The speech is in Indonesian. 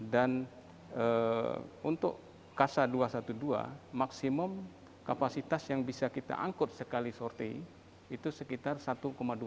dan untuk kasa dua ratus dua belas maksimum kapasitas yang bisa kita angkut sekali sortie itu sekitar satu dua ton